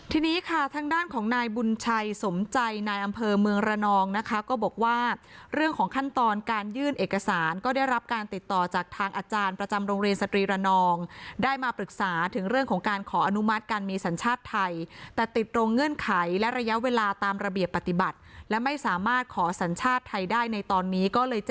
ทีนี้ค่ะทางด้านของนายบุญชัยสมใจนายอำเภอเมืองระนองนะคะก็บอกว่าเรื่องของขั้นตอนการยื่นเอกสารก็ได้รับการติดต่อจากทางอาจารย์ประจำโรงเรียนสตรีระนองได้มาปรึกษาถึงเรื่องของการขออนุมัติการมีสัญชาติไทยแต่ติดตรงเงื่อนไขและระยะเวลาตามระเบียบปฏิบัติและไม่สามารถขอสัญชาติไทยได้ในตอนนี้ก็เลยจะ